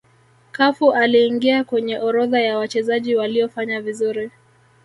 cafu aliingia kwenye orodha ya wachezaji waliofanya vizuri